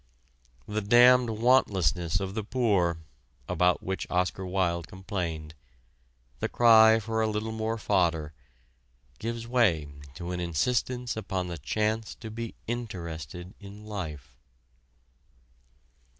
"The damned wantlessness of the poor," about which Oscar Wilde complained, the cry for a little more fodder, gives way to an insistence upon the chance to be interested in life.